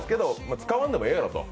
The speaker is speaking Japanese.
使わんでもええやろと。